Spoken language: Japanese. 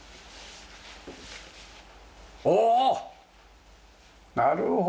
なるほど。